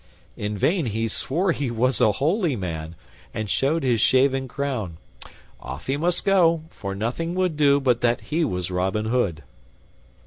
In vain he swore he was a holy man, and showed his shaven crown; off he must go, for nothing would do but that he was Robin Hood.